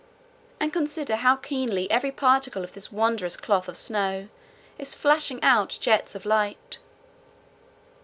And consider how keenly every particle of this wondrous cloth of snow is flashing out jets of light.